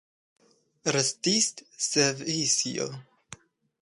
Restis Svisio.